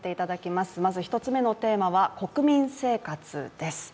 まず１つ目のテーマは、国民生活です。